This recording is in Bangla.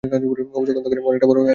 অবশ্য গ্রন্থখানি অনেকটা বড় হইয়া যাইবে।